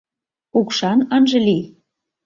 Укшан ынже лий.